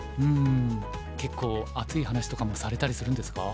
結構熱い話とかもされたりするんですか？